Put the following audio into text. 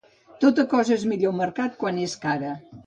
Tota cosa és millor mercat quan és cara.